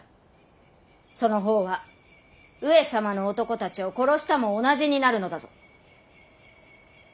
その方は上様の男たちを殺したも同じになるのだぞ！